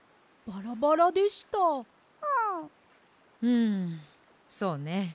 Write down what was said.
んそうね。